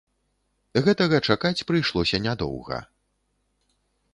Гэтага чакаць прыйшлося нядоўга.